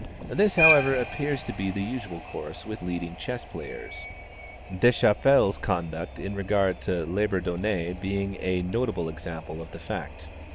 This, however, appears to be the usual course with leading chess players, Deschappelle's conduct in regard to Labourdonnais being a notable example of the fact.